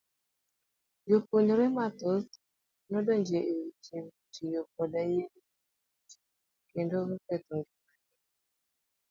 Jopuonjre mathoth nodonjo e weche tiyo koda yedhe mameroji kendo oketho ng'ima gi.